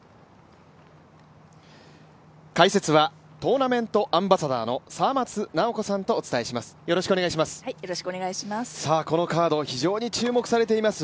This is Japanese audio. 解説はトーナメントアンバサダーの、沢松奈生子さんとお伝えします。